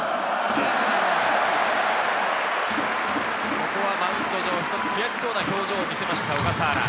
ここはマウンド上、一つ悔しそうな表情を見せました小笠原。